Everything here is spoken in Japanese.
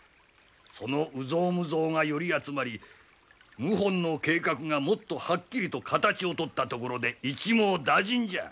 その有象無象が寄り集まり謀反の計画がもっとはっきりと形を取ったところで一網打尽じゃ！